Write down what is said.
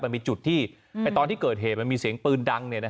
มันมีจุดที่ตอนที่เกิดเหตุมันมีเสียงปืนดังเนี่ยนะครับ